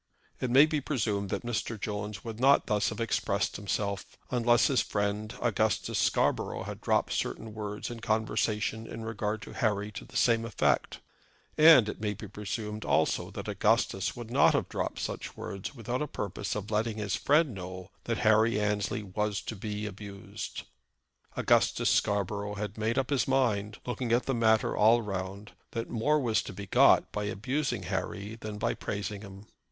It may be presumed that Mr. Jones would not thus have expressed himself unless his friend Augustus Scarborough had dropped certain words in conversation in regard to Harry to the same effect. And it may be presumed also that Augustus would not have dropped such words without a purpose of letting his friend know that Harry was to be abused. Augustus Scarborough had made up his mind, looking at the matter all round, that more was to be got by abusing Harry than by praising him.